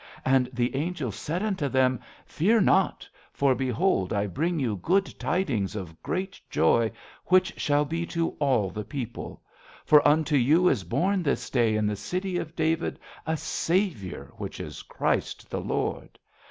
52 A BELGIAN CHRISTMAS EVE And the angel said unto them, " Fear not : for behold I bring you good tidings of great joy, which shall be to all people. " For unto you is born this day in the City of David a Saviour, which is Christ the Lord.